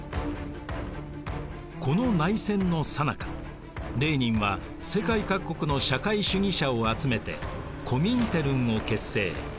この内戦のさなかレーニンは世界各国の社会主義者を集めてコミンテルンを結成。